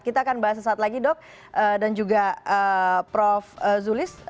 kita akan bahas sesaat lagi dok dan juga prof zulis